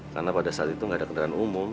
karena pada saat itu gak ada kendaraan umum